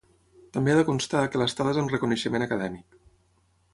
També ha de constar que l'estada és amb reconeixement acadèmic.